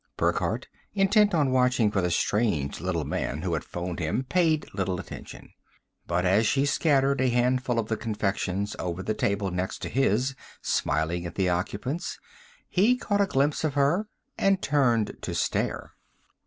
Burckhardt, intent on watching for the strange little man who had phoned him, paid little attention. But as she scattered a handful of the confections over the table next to his, smiling at the occupants, he caught a glimpse of her and turned to stare.